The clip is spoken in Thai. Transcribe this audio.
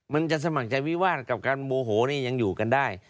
มันจะสมัครใจวิวาสกับการโมโหนี่ยังอยู่กันได้